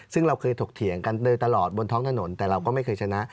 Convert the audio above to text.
ซึ่งเราเคยถกเถียงกันโดยตลอดบนท้องถนนแต่เราก็ไม่เคยชนะ